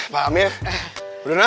pak amir bruna